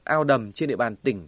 ao đầm trên địa bàn tỉnh